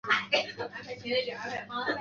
以上泛称谢系以上为新未来智库成员。